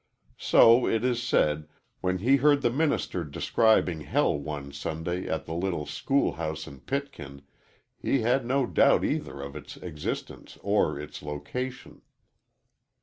So, it is said, when he heard the minister describing hell one Sunday at the little school house in Pitkin, he had no doubt either of its existence or its location.